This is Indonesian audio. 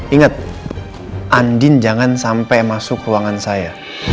ingat andin jangan sampai masuk ruangan saya